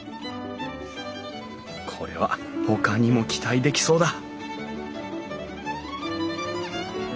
これはほかにも期待できそうだ！